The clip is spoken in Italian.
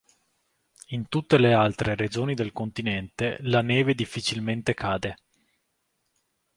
In tutte le altre regioni del continente, la neve difficilmente cade.